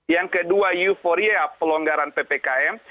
yang kedua euforia pelonggaran ppkm